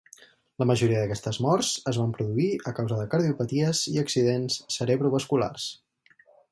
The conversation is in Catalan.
La majoria d'aquestes morts es van produir a causa de cardiopaties i accidents cerebrovasculars.